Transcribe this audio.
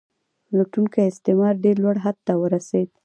لوټونکی استثمار ډیر لوړ حد ته ورسید.